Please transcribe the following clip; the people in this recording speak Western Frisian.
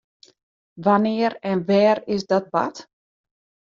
Wannear en wêr is dat bard?